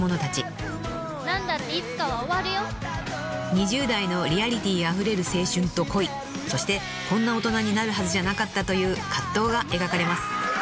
［２０代のリアリティーあふれる青春と恋そしてこんな大人になるはずじゃなかったという葛藤が描かれます］